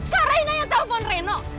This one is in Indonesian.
kak raina yang telepon raina